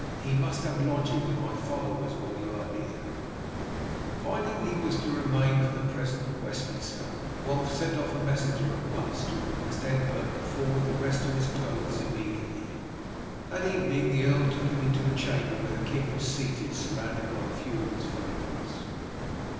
He must have lodging with my followers while you are here." Finding that he was to remain for the present at Westminster, Wulf sent off a messenger at once to request Egbert to forward the rest of his clothes immediately. That evening the earl took him into a chamber, where the king was seated surrounded by a few of his favourites.